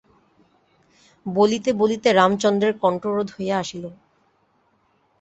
বলিতে বলিতে রামচন্দ্রের কণ্ঠরোধ হইয়া আসিল।